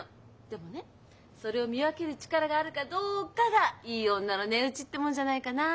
でもねそれを見分ける力があるかどうかがいい女の値打ちってもんじゃないかな。